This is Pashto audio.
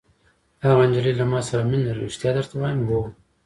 هغه نجلۍ له ما سره مینه لري! ریښتیا درته وایم. هو.